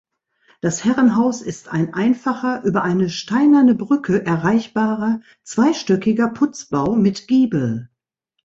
Das Herrenhaus ist ein einfacher über eine steinerne Brücke erreichbarer zweistöckiger Putzbau mit Giebel.